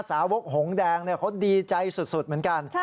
สาวกหงแดงเขาดีใจสุดเหมือนกัน